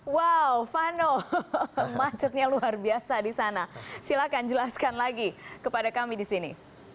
wow vano macetnya luar biasa di sana silahkan jelaskan lagi kepada kami di sini